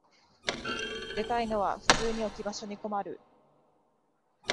でかいのは普通に置き場所に困る